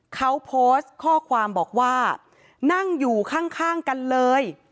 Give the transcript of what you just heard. เขาโพสต์ข้อความบอกว่านั่งอยู่ข้างกันเลย